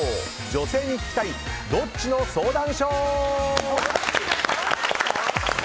女性に聞きたいどっちの相談ＳＨＯＷ。